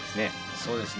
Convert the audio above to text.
そうですね。